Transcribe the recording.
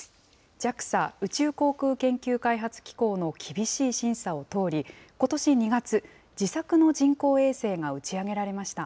ＪＡＸＡ・宇宙航空研究開発機構の厳しい審査を通り、ことし２月、自作の人工衛星が打ち上げられました。